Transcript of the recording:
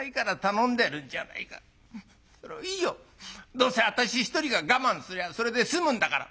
どうせ私一人が我慢すりゃそれで済むんだから。